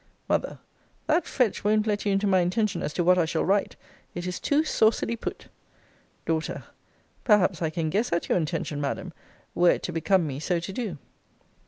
M. That fetch won't let you into my intention as to what I shall write. It is too saucily put. D. Perhaps I can guess at your intention, Madam, were it to become me so to do.